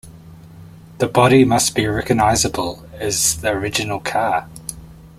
The body must be recognizable as the original car.